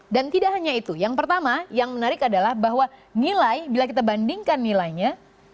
dan tidak hanya itu yang pertama yang menarik adalah bahwa nilai bila kita bandingkan nilainya